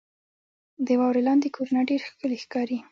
• د واورې لاندې کورونه ډېر ښکلي ښکاري.